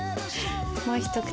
もう一口。